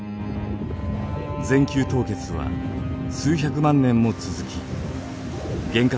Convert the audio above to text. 全球凍結は数百万年も続き原核